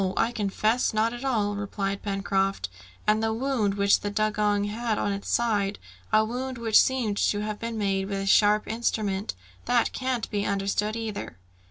I confess, not at all," replied Pencroft; "and the wound which the dugong had in its side, a wound which seemed to have been made with a sharp instrument; that can't be understood either."